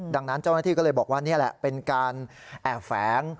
ดังนั้นเจ้าหน้าที่ก็เลยบอกว่านี่แหละเป็นการแอบแฝง